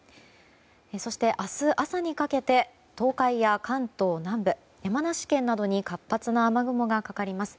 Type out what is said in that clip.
そして、明日朝にかけて東海や関東南部山梨県などに活発な雨雲がかかります。